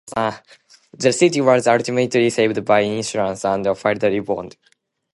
The city was ultimately saved by insurance and a fidelity bond.